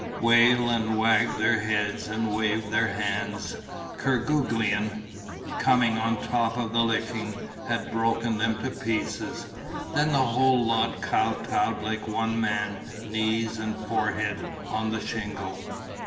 Wail and wag their heads and wave their hands. Kerguelen, coming on top of the licking, had broken them to pieces. Then the whole lot kow towed like one man, knees and forehead on the shingle.